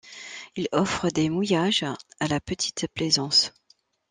Il offre des mouillages à la petite plaisance.